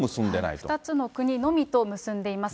２つの国のみと結んでいます。